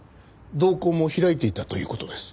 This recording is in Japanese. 瞳孔も開いていたという事です。